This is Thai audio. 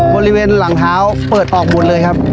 บริเวณหลังเท้าเปิดออกหมดเลยครับ